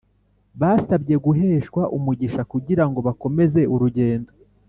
Basabye guheshwa umugisha kugira ngo bakomeze urugendo